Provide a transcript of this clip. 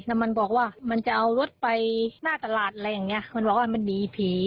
แล้วมันบอกว่ามันจะเอารถไปหน้าตลาดอะไรอย่างเงี้ยมันบอกว่ามันหนีผี